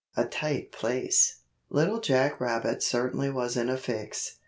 A TIGHT PLACE Little Jack Rabbit certainly was in a fix.